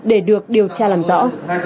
để được điều tra làm rõ